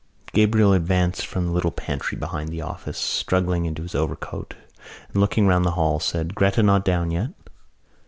Gabriel advanced from the little pantry behind the office, struggling into his overcoat and, looking round the hall, said: "Gretta not down yet?"